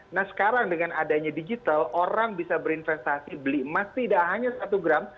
nah sekarang dengan adanya digital orang bisa berinvestasi beli emas tidak hanya satu gram